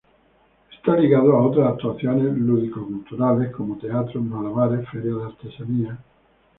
Está ligado a otras actuaciones lúdico-culturales como teatro, malabares, feria de artesanía.